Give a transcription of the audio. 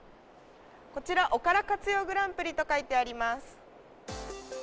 こちら、おから活用グランプリと書いてあります。